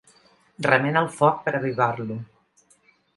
Remena el foc per avivar-lo.